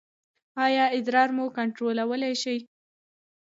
ایا ادرار مو کنټرولولی شئ؟